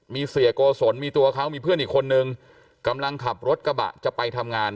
มีเสียโกศลมีตัวเขามีเพื่อนอีกคนนึงกำลังขับรถกระบะจะไปทำงาน